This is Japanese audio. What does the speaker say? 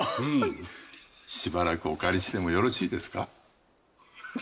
しばらくお借りしてもよろしいですか？